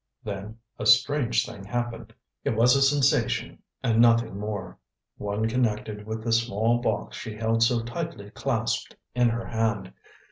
Then a strange thing happened. It was a sensation and nothing more: one connected with the small box she held so tightly clasped in her hand.